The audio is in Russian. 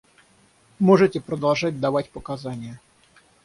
Можете продолжать давать показания.